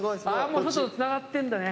もう外とつながってんだ。